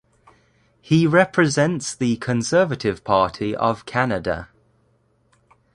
He represents the Conservative Party of Canada.